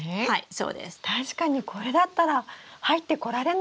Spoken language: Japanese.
そうですね。